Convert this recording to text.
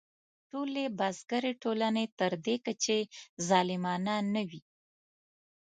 ټولې بزګري ټولنې تر دې کچې ظالمانه نه وې.